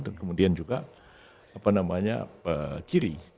dan kemudian juga kiri